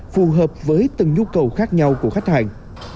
phù hợp với từng nhu cầu khác nhau của khách hàng